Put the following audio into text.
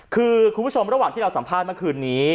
คือคุณผู้ชมระหว่างที่เราสัมภาษณ์เมื่อคืนนี้